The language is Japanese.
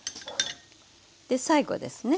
で最後ですね。